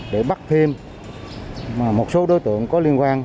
để bắt thêm một số đối tượng có liên quan